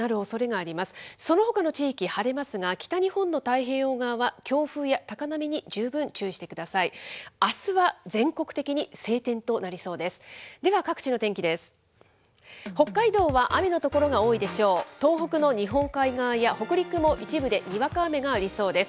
あすは全国的に晴天となりそうです。